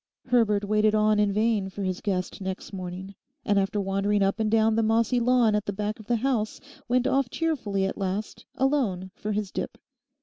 Herbert waited on in vain for his guest next morning, and after wandering up and down the mossy lawn at the back of the house, went off cheerfully at last alone for his dip.